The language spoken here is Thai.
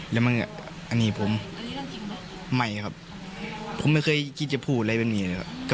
แล้วมันก็อันนี้ผมไม่ครับผมไม่เคยคิดจะพูดอะไรแบบนี้เลยครับ